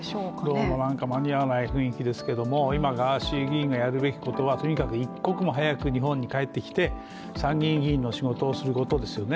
どうも間に合わない雰囲気ですけども、今、ガーシー議員がやるべきことはとにかく一刻も早く日本に帰ってきて参議院議員の仕事をすることですよね。